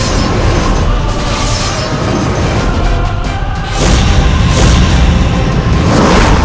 sepertinya mereka lantaran barat